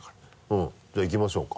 うんじゃあいきましょうか。